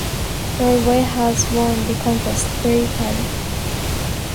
Norway has won the contest three times.